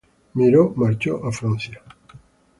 Miró marchó a Francia.